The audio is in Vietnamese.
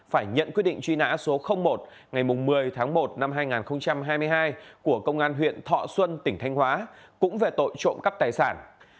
phải nhận quyết định truy nã số một ngày một mươi tháng một năm hai nghìn hai mươi hai của công an huyện thọ xuân tỉnh thanh hóa cũng về tội trộm cắp tài sản